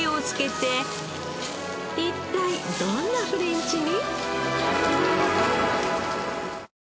一体どんなフレンチに？